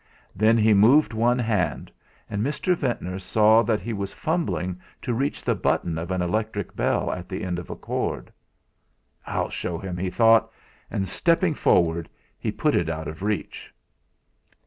Then he moved one hand, and Mr. Ventnor saw that he was fumbling to reach the button of an electric bell at the end of a cord. 'I'll show him,' he thought, and stepping forward, he put it out of reach.